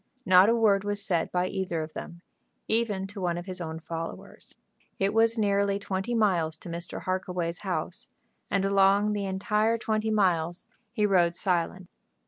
Not a word was said by either of them, even to one of his own followers. It was nearly twenty miles to Mr. Harkaway's house, and along the entire twenty miles he rode silent.